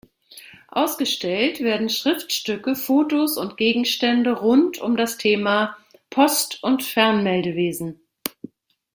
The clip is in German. Ausgestellt werden Schriftstücke, Fotos und Gegenstände rund um das Thema Post- und Fernmeldewesen.